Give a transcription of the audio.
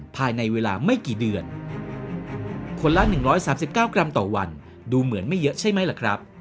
ภายในเวลาไม่กี่เดือนคนละ๑๓๙กรัมต่อวันดูเหมือนไม่เยอะใช่ไหมล่ะครับ